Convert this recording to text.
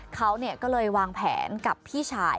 เขาก็เลยวางแผนกับพี่ชาย